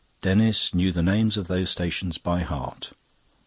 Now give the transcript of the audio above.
Denis knew the names of those stations by heart.